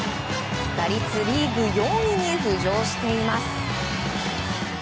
打率リーグ４位に浮上しています。